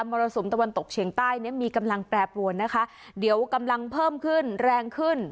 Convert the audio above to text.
รสุมตะวันตกเฉียงใต้เนี้ยมีกำลังแปรปรวนนะคะเดี๋ยวกำลังเพิ่มขึ้นแรงขึ้น